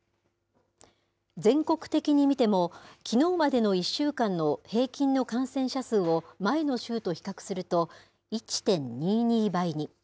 全国的に見ても、きのうまでの１週間の平均の感染者数を前の週と比較すると、１．２２倍に。